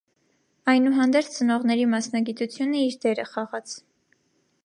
Այնունհանդերձ ծնողների մասնագիտությունը իր դերը խաղաց։